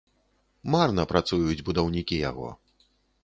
Марна працуюць будаўнікі яго.